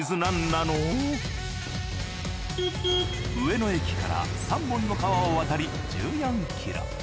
上野駅から３本の川を渡り１４キロ。